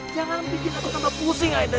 jangan bikin aku tambah pusing aida